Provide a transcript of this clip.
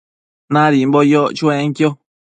Nadimbo yoc chuenquio